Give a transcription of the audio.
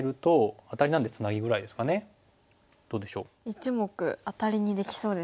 １目アタリにできそうですね。